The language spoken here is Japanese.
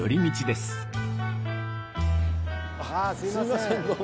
すいませんどうも。